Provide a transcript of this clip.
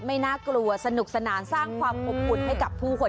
ไม่น่ากลัวสนุกสนานสร้างความอบอุ่นให้กับผู้คน